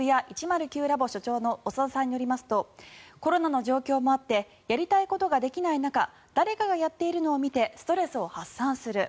ｌａｂ．所長の長田さんによりますとコロナの状況もあってやりたいことができない中誰かがやっているのを見てストレスを発散する。